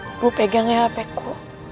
ibu pegangnya hpku